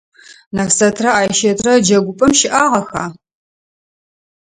Нэфсэтрэ Айщэтрэ джэгупӏэм щыӏагъэха?